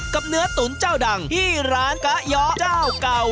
เนื้อตุ๋นเจ้าดังที่ร้านกะย้อเจ้าเก่า